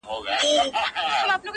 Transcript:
غږ پورته کول